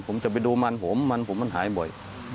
ผมจะไปดูมันผมมันผมมันหายบ่อย